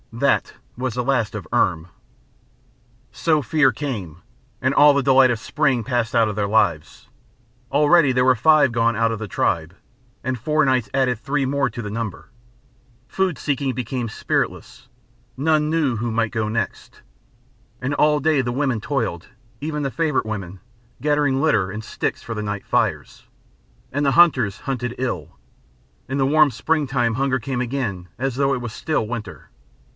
That was the last of Irm. So fear came, and all the delight of spring passed out of their lives. Already there were five gone out of the tribe, and four nights added three more to the number. Food seeking became spiritless, none knew who might go next, and all day the women toiled, even the favourite women, gathering litter and sticks for the night fires. And the hunters hunted ill: in the warm spring time hunger came again as though it was still winter.